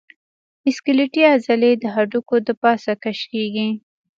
سکلیټي عضلې د هډوکو د پاسه کش کېږي.